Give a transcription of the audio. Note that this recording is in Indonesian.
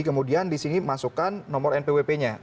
kemudian di sini masukkan nomor npwp nya